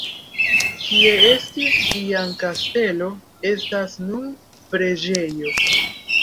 Kie estis iam kastelo estas nun preĝejo.